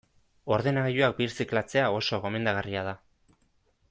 Ordenagailuak birziklatzea oso gomendagarria da.